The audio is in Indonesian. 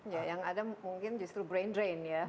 ya yang ada mungkin justru brain drain ya